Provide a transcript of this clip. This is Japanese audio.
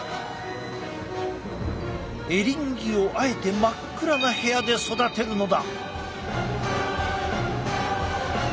エリンギをあえて真っ暗な部屋で育てるのだ！